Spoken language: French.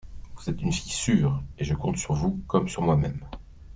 Vous êtes une fille sûre et je compte sur vous comme sur moi-même…